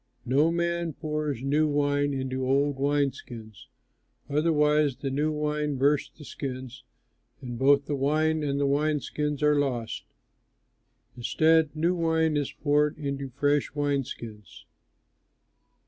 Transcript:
No man pours new wine into old wine skins; otherwise the new wine bursts the skins, and both the wine and the wine skins are lost. Instead new wine is poured into fresh wine skins."